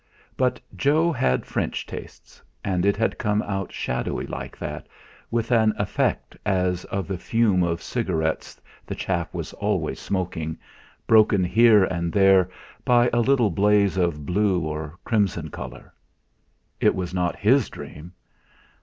But Jo had French tastes, and it had come out shadowy like that, with an effect as of the fume of cigarettes the chap was always smoking, broken here and there by a little blaze of blue or crimson colour. It was not his dream!